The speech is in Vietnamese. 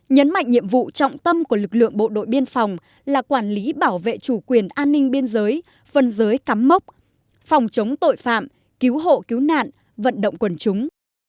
nhấn mạnh nhiệm vụ trọng tâm của lực lượng bộ đội biên phòng là quản lý bảo vệ chủ quyền an ninh biên giới phân giới cắm mốc phòng chống tội phạm cứu hộ cứu nạn vận động quần chúng